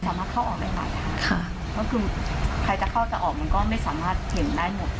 สามารถเข้าออกได้ใหม่ค่ะก็คือใครจะเข้าจะออกมันก็ไม่สามารถเห็นได้หมด